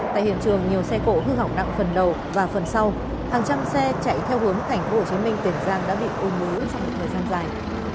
tại hiện trường nhiều xe cộ hư hỏng nặng phần đầu và phần sau hàng trăm xe chạy theo hướng tp hồ chí minh tiền giang đã bị ôn mũi trong một thời gian dài